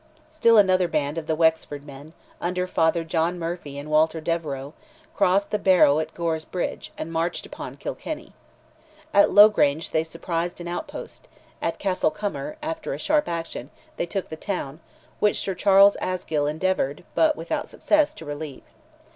Still another band of the Wexford men, under Father John Murphy and Walter Devereux, crossed the Barrow at Gore's bridge, and marched upon Kilkenny. At Lowgrange they surprised an outpost; at Castlecomer, after a sharp action, they took the town, which Sir Charles Asgill endeavoured, but without success, to relieve.